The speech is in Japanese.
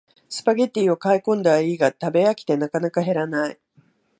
スパゲティを買いこんだはいいが食べ飽きてなかなか減らない